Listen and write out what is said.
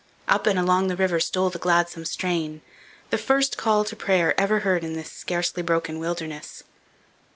Up and along the river stole the gladsome strain, the first call to prayer ever heard in this scarcely broken wilderness.